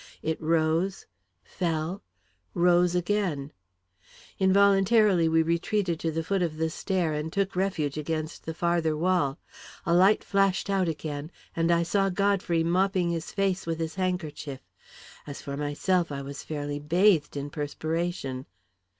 It rose, fell, rose again Involuntarily we retreated to the foot of the stair and took refuge against the farther wall. The light flashed out again, and I saw Godfrey mopping his face with his handkerchief. As for myself, I was fairly bathed in perspiration.